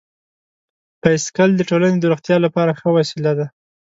بایسکل د ټولنې د روغتیا لپاره ښه وسیله ده.